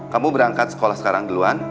kamu berangkat sekolah sekarang duluan